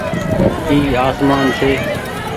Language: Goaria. اي آسمان ڇي۔